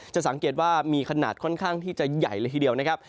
จะสังเกตว่ามีขนาดค่อนข้างที่จะใหญ่เลยทีเดียวนะครับ